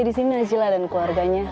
di sini najila dan keluarganya